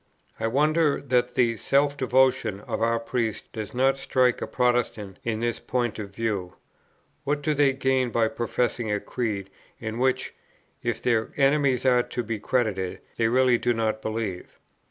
I wonder that the self devotion of our priests does not strike a Protestant in this point of view. What do they gain by professing a Creed, in which, if their enemies are to be credited, they really do not believe?